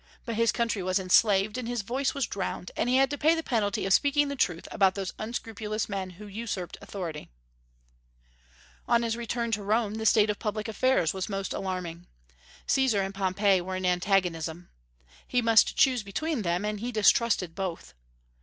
But his country was enslaved, and his voice was drowned, and he had to pay the penalty of speaking the truth about those unscrupulous men who usurped authority. On his return to Rome the state of public affairs was most alarming. Caesar and Pompey were in antagonism. He must choose between them, and he distrusted both.